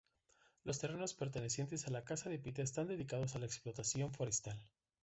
Los terrenos pertenecientes a la Casa de Pita están dedicados a explotación forestal.